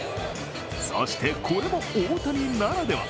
そして、これも大谷ならでは。